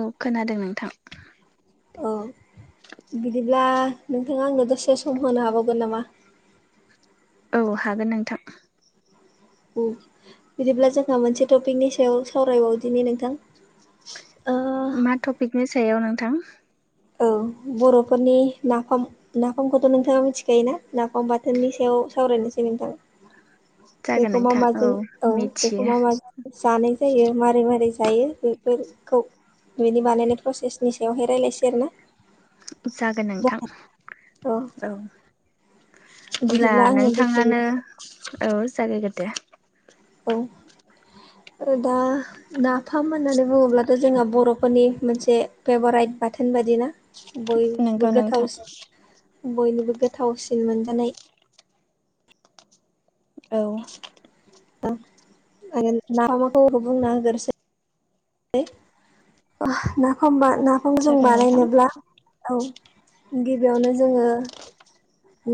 औ खोनादों नोंथां। औ बिदिब्ला नोंथाङा आंनो दसे सम होनो हाबावगोन नामा? औ हागोन नोंथां। उम बिदिब्ला जोंहा मोनसे टपिकनि सायाव सावरायबावदिनि नोंथां। ओ मा टपिकनि सायाव नोंथां? औ बर'फोरनि नाफाम नाफामखौथ' नोंथाङा मिथिखायोना नाफाम बाथोननि सायाव सावरायनोसै नोंथां। [inaudible] बेखौ मा माजों औ बेखौ मिथियो मा माजों जानाय जायो मारै मारै जायो बेफोरखौ बिनि बानायनाय प्रसेसनि सायावहाय रायज्लायसै आरो ना। जागोन नोंथां औ अब्ला बिदिब्ला आङो नोंथाङानो बेखेवनो औ जागाय ग्रोदो। औ दा नाफाम होननानै बुङोब्लाथ' जोंहा बर'फोरनि मोनसे फेभाराइट बाथोन बायदि ना नोंगौ बयबो नोंथां गोथावसिन बयनिबो गोथावसिन मोनजानाय औ [unintelligible] आरो नाफाम खौ बुंना होग्रोनोसै नाफाम नाफाम जों जागोन नोंथां बानायनोब्ला औ गिबियावनो जोङो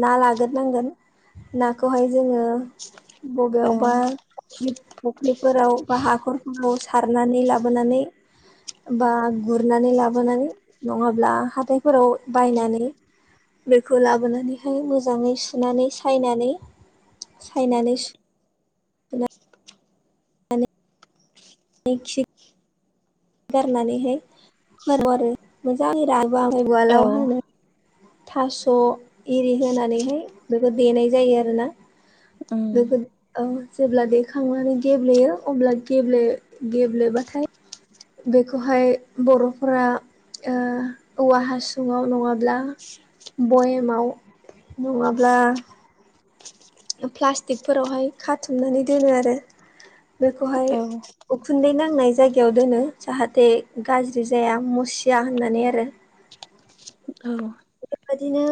ना लाग्रोनांगोन नाखौहाय जोङो औ बबेयावबा फुख्रिफोराव बा हाखरफोराव सारनानै लाबोनानै बा गुरनानै लाबोनानै नङाब्ला हाथायफोराव बायनानै बेखौ लाबोनानैहाय मोजाङै सुनानै सायनानै सायनानै सुनानै बे खि [unintelligible] गारनानैहाय फोराननांगौ आरो मोजाङै रानबा ओमफाय औ उवालाव होनानै थास आरि होनानैहाय बेखौ देनाय जायो आरो ना उम जेब्ला देखांनानै गेब्लेयो अब्ला गेब्ले गेब्लेबाथाय बेखौहाय बर'फोरा औवा हासुंङाव नङाब्ला बयामाव नङाब्ला प्लास्टिकफोरावहाय खाथुमनानै दोनो आरो बेखौहाय औ उखुन्दै नांनाय जायगायाव दोनो जाहाथे गाज्रि जाया मुसिया होननानै आरो औ बेफोरबायदिनो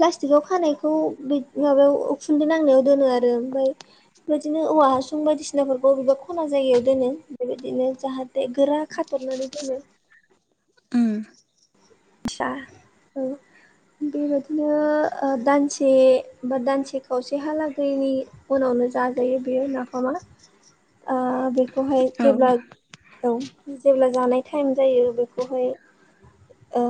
प्लास्टिकआव खानायखौ माबायाव उखुन्दै नांनायाव दोनो आरो ओमफ्राय बेबायदिनो औवा हासुं बायदिसिनाफोरखौ बबेबा खना जायगायाव दोनो बेबायदिनो जाहाथे गोरा खाथबनानै दोनो उम [unintelligible] बेबायदिनो दानसे बा दानसे खावसेहालागै उनावनो जाजायो बेयो नाफामा बे बेखौहाय औ जेब्ला औ जेब्ला जानाय टाइम जायो बेखौहाय ओ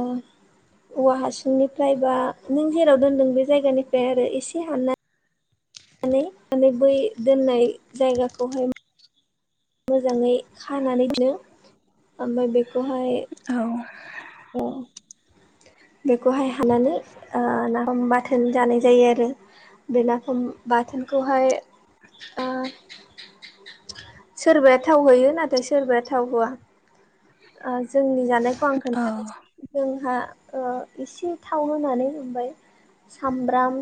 औवा हासुंनिफ्राय बा नों जेराव दोनदों बे जायगानिफ्राय आरो एसे हानना माने बै दोननाय जायगाखौहाय मोजाङै खानानै दोनफिनो ओमफ्राय बेखौहाय औ ए बेखौहाय हाननानै ओ नाफाम बाथोन जानाय जायो आरो बे नाफाम बाथोनखौहाय ओ सोरबाया थाव होयो नाथाय सोरबाया थाव होआ जोंनि जानायखौ आं औ खोन्थानोसै जोंहा एसे थाव होनानै ओमफाय सामब्राम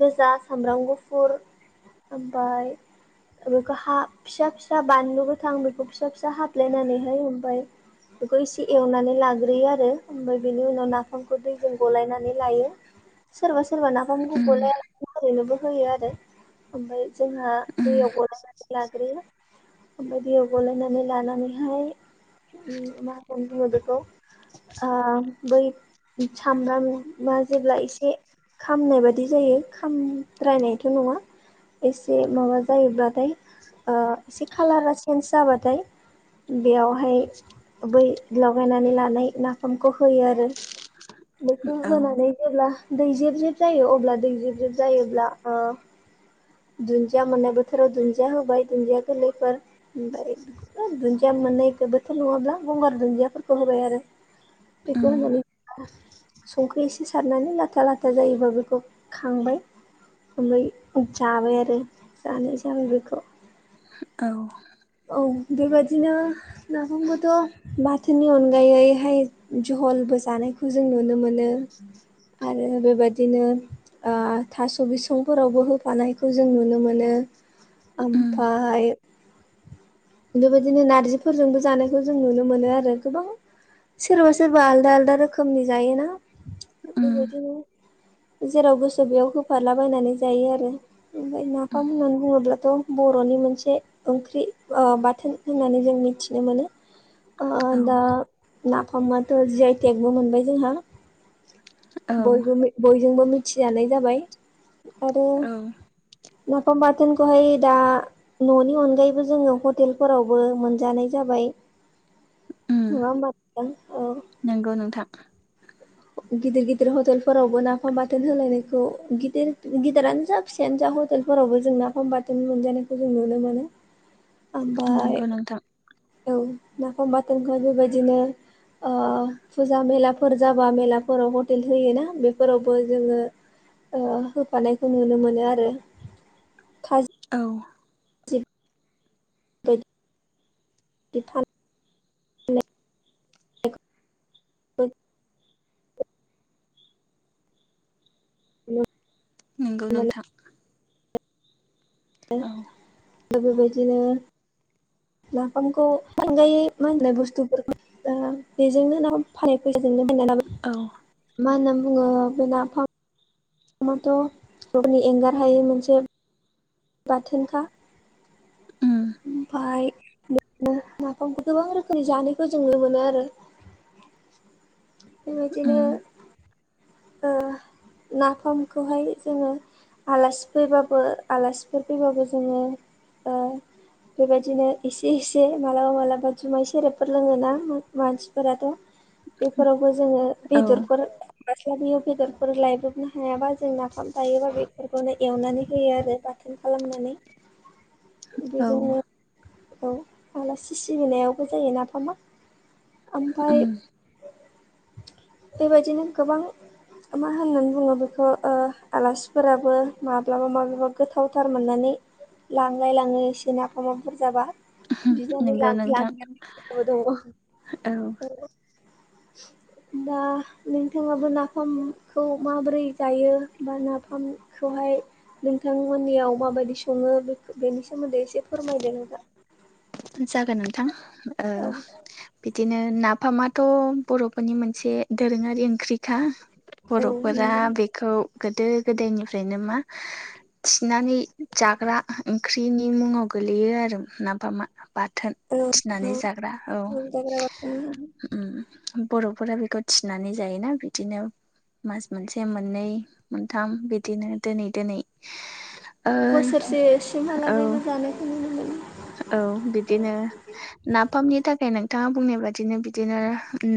गोजा सामब्राम गुफुर ओमफ्राय बेखौ हा फिसा फिसा बानलु गोथां बेखौ फिसा फिसा हाफ्लेनानैहाय ओमफ्राय बेखौ इसे एवनानै लाग्रोयो आरो ओमफ्राय बेनि उनाव नाफामखौ दैजों गलायनानै लायो सोरबा सोरबा नाफामखौ उम गलायालासैनोबो ओरैनोबो होयो आरो ओमफ्राय जोंहा उम दैयाव गलयनानै लाग्रोयो ओमफ्राय दैयाव गलायनानै लानानैहाय मा होनो बेखौ बै सामब्रामा जेब्ला एसे खामनाय बायदि जायो खामद्रायनायथ नङा एसे माबा जायोब्लाथाय एसे खालारा सेन्ज जायोबाथाय बेयावहाय बै लगायनानै लानाय नाफामखौ होयो आरो बेखौ औ होनानै जेब्ला दै जेब जेब जायो अब्ला दै जेब जेब जायोब्ला दुन्दिया मोननाय बोथोराव दुन्दिया होबाय दुन्दिया गोरलैफोर ओमफ्राय दुनदिया मोननाय [unintelligible] जोबोद नङाब्ला गंगार दुन्दियाफोरखौ होबाय आरो उम बेखौ होनानै संख्रि एसे सारनानै लाथा लाथा जायोबा बेखौ खांबाय ओमफ्राय जाबाय आरो जानाय जाबाय बेखौ औ औ बेबायदिनो नाफामखौथ' बाथोननि अनगायैहाय जलबो जानायखौ जों नुनो मोनो आरो आरो बेबायदिनो थास' बिसंफोरावबो होफानायखौ जों नुनो मोनो उम ओमफ्राय बेबायदिनो नारजि फोरजोंबो जानायखौ जों नुनो मोनो आरो गोबां सोरबा सोरबा आलदा आलदा रोखोमनि जायोना उम बेबायदिनो जेराव गोसो बेयाव होफालाबायनानै जायो आरो ओमफ्राय नाफाम होननानै बुङोब्लाथ' बर'नि मोनसे ओंख्रि आ बाथोन होननानै जों मिथिनो मोनो औ दा नाफामाथ जि आइ टेकबो मोनबाय जोंहा औ बयबो बयजोंबो मिथिजानाय जाबाय आरो औ उम नाफाम बाथोनखौहाय दा न'नि अनगायैबो जोङो हटेलफोरावबो मोनजानाय जाबाय नङा होमबा औ नंगौ नोंथां गिदिर गिदिर हटेलफोरावबो नाफाम बाथोन होलायनायखौ गिदिर गिदिरानो जा फिसायानो जा हटेलफोरावबो जों नाफम बाथोन मोनजानायखौ जों नुनो मोनो [inaudible] ओमफ्राय नंगौ नोंथां औ नाफाम बाथोनखौहाय बेबायदिनो फुजा मेलाफोर जाबा मेलाफोराव हटेल होयोना बेफोरावबो जोङो ओ होफानायखौ नुनो मोनो आरो खाजि औ बिफान [inaudible] नोंगौ मोनो नोंथां औ आरो बेबायदिनो नाफामखौ [unintelligible] मा होनलाय बुस्थुफोरखौ बेजोंनो ना फाननाय फैसाजोंनो बायना लाबो [unintelligible] औ मा होनना बुङो बे नाफाम माथ' बरनि एंगारहायै मोनसे बाथोनखा उम ओमफाय बिनो नाफामखौ गोबां रोखोमनि जानायखौ जों नुनो मोनो आरो बेबायदिनो उम ओ नाफामखौहाय जोङो आलासि फैबाबो आलासिफोर फैबाबो जोङो ओ [inaudible] बेबायदिनो एसे एसे मालाबा मालाबा जुमाय सेरेबफोर लोङोना मानसिफोराथ' बेफोरावबो जोङो औ बेदरफोर [unintelligible] लियाव बेदरफोर लायब्रबनो हायाबा जों नाफाम थायोबा बेफोरखौनो एवनानै होयो आरो बा बाथोन खालामनानै औ बिदिनो औ आलासि सिबिनायावबो जोंनि नाफामा उम ओमफाय बेबायदिनो गोबां मा होननानै बुङो बेखौ ओ आलासिफोराबो माब्लाबा माब्लाबा गोथावथार मोननानै लांलाय लाङो एसे नाफामा बुरजाबा नंगौ नोंथां औ [unintelligible] [inaudible] दा नोंथाङाबो नाफामखौ माबोरै जायो बा नाफाम खौहाय नोंथांमोननियाव माबायदि सङो बे बेनि सोमोन्दै एसे फोरमायदो नोंथां जागोन नोंथां औ बिदिनो ना नाफामाथ' बर'फोरनि मोनसे दोरोङारि ओंख्रिखा औ बर'फोरा नंगौ बे खौ गोदो गोदायनिफ्रायनो मा थिनानै जाग्रा ओंख्रिनि मुङाव गोलैयो आरो नाफामा बाथोन थिनानै जाग्रा औ बर'फोरा बेखौ थिनानै जायोना बिदिनो मास मोनसे मोननै मोनथाम बिदिनो दोनै दोनै ओ बोसोरसे औ सिमहालागैबो जानायखौ नुनो मोनो औ बिदिनो नाफामनि थाखाय नोंथाङा बुंनाय बादिनो बिदिनो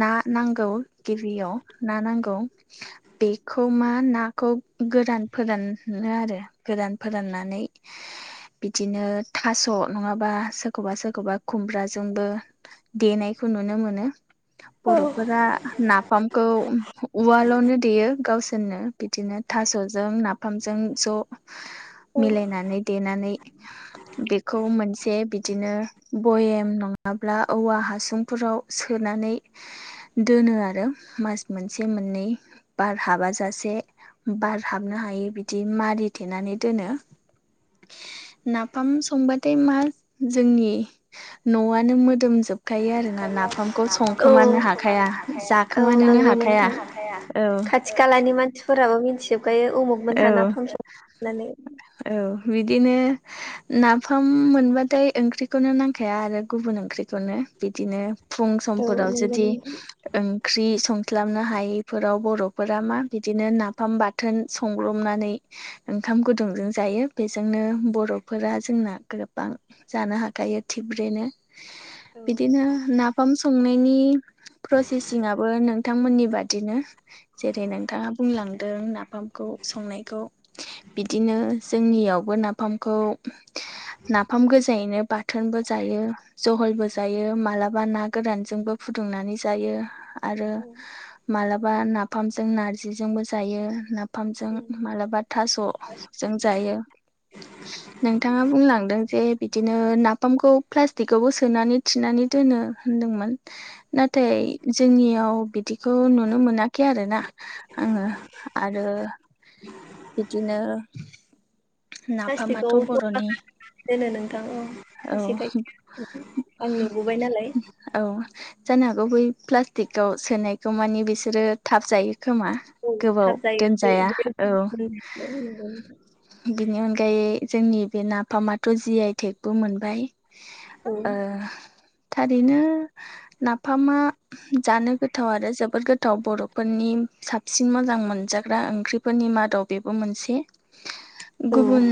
ना नांगौ गिबियाव ना नांगौ बेखौ मा नाखौ गोरान फोरानो आरो गोदान फोराननानै बिदिनो थास' नङाबा सोरखौबा सोरखौबा खुमब्राजोंबो देनायखौ नुनो मोनो औ बर'फोरा नाफाम खौ उवालावनो देयो गावसोरनो बिदिनो थास'जों नाफामजों ज' औ मिलायनानै देनानै बेखौ मोनसे बिदिनो भयाम नङाब्ला औवा हासुंफोराव सोनानै दोनो आरो मास मोनसे मोननै बार हाबाजासे बारहाबनो हायि बिदि मारिथेनानै दोनो नाफाम संबाथाय मा जोंनि न'आनो मोदोम जोबखायो आरोना नाफामखौ संखोमानो हाखाया जाखोमानोनो जानो मोननो हाखाया औ खाथि खालानि मानसिफोराबो मिथिजोबखायो उमुग औ मोनहा नाफाम संदों होननानै औ बिदिनो नाफाम मोनबाथाय ओंख्रिखौनो नांखाया आरो गुबुन ओंख्रिखौनो बिदिनो फुं औ समफोराव नंगौ जुदि नोंथां ओंख्रि संस्लाबनो हायैफोराव बर'फोरा मा बिदिनो नाफाम बाथोन संब्रबनानै ओंखाम गुदुंजों जायो बेजोंनो बर'फोरा जोंना गोबां जानो हाखायो थिब्रेनो बिदिनो नाफाम संनायनि प्रसेसिङाबो नोंथांमोननि बादिनो जेरै नोंथाङा बुंलांदों नाफाम खौ संनायखौ बिदिनो जोंनियावबो नाफामखौ नाफाम गोजायैनो बाथोनबो जायो। जहलबो जायो मालाबा ना गोरानजोंबो फुदुंनानै जायो आरो औ मालाबा नाफामजों नारजिजोंबो जायो नाफामजों मालाबा थास'जों जायो। नोंथाङा बुंलांदों जे बिदिनो नाफामखौ प्लास्टिकावबो सोनानै थिनानै दोनो होनदोंमोन। [inaudible] औ नाथाय जोंनियाव बिदिखौ नुनो मोनाखै आरोना आङो आरो बिदिनो नाफामाथ' प्लास्टिकआव जमा बर'नि दोनो नोंथां औ औ खायसे खायसे आं नुबोबाय नालाय। औ जानो हागौ बै प्लास्टिकआव सोनायखौ माने बिसोरो थाब जायो खोमा औ थाब गोबाव जायो बे दोनजाया बे औ औ बिनि अनगायै जोंनि बे नाफामाथ' जि आइ टेकबो मोनबाय। थारैनो नाफामा जानो गोथाव आरो जोबोर गोथाव बर'फोरनि साबसिन मोजां मोनजा ग्रा ओंख्रिफोरनि मादाव बेबो मोनसे। गुबुन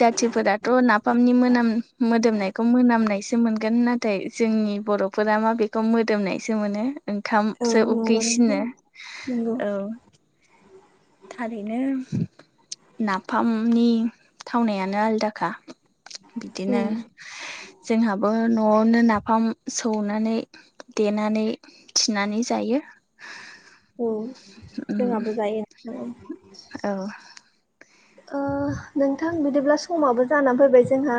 जाथिफोराथ' नाफामनि मोनाम मोदोमनायखौ मोनामनायसो मोनगोन ना थाय जोंनि बर'फोरा मा बेखौ मोदोमनायसो मोनो। ओंखामसो नंगौ नोंथां उखैसिनो नंगौ औ थारैनो नाफामनि थावनायानो आलदाखा। बिदिनो उम जोंहाबो न'आवनो नाफाम सौनानै देनानै थिनानै जायो। औ उम जोंहाबो जायो। औ ओ नोंथां बिदिब्ला समाबो जानानै फैबाय जोंहा।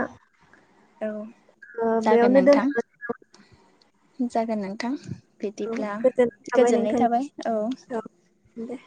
औ ओ जागोन बेयावनो नोंथां दोनथ'नोसै नामा? जागोन नोंथां। बिदिब्ला गोजोननाय थाबाय गोजोननाय नोंथांनि थाबाय औ दे